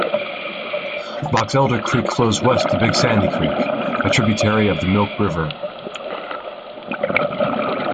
Boxelder Creek flows west to Big Sandy Creek, a tributary of the Milk River.